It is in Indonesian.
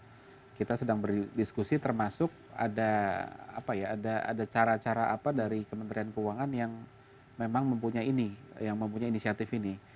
jadi kita sedang berdiskusi termasuk ada apa ya ada cara cara apa dari kementerian keuangan yang memang mempunyai ini yang mempunyai inisiatif ini